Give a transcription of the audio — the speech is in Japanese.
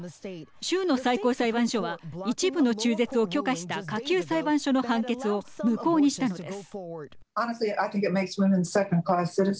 州の最高裁判所は一部の中絶を許可した下級裁判所の判決を無効にしたのです。